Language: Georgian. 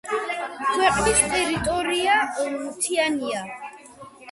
ქვეყნის ტერიტორია მთიანია.